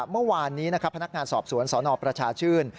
เมื่อวานนี้นะครับพนักงานสอบสวนสนประชาชื่น